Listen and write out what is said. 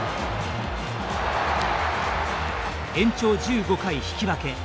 延長１５回引き分け。